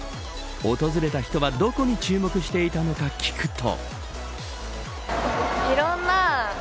訪れた人はどこに注目していたのか聞くと。